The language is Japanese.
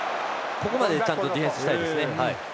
ここまでちゃんとディフェンスしたいですね。